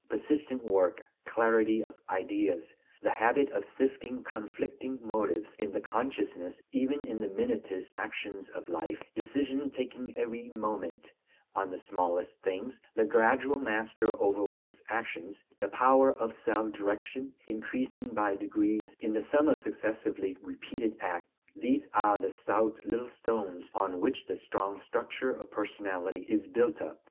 Persistent work, clarity of ideas, the habit of sifting conflicting motives in the consciousness, even in the minutest actions of life, decisions taken every moment on the smallest things, the gradual master over one's actions, the power of self direction increasing by degrees in the sum of successively repeated acts, these are the stout little stones on which the strong structure of personality is built up.